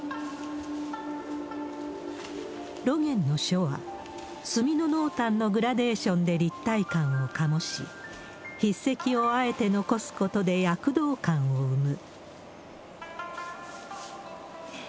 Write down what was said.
露巌の書は、墨の濃淡のグラデーションで立体感を醸し、筆跡をあえて残すことで躍動感を生む。